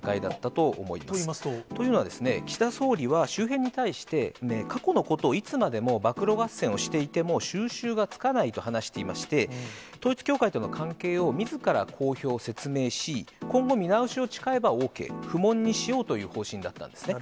といいますと？というのは、岸田総理は、周辺に対して、過去のことをいつまでも暴露合戦をしていても、収拾がつかないと話していまして、統一教会との関係をみずから公表・説明し、今後、見直しを誓えばＯＫ、不問にしようという方針だったんですね。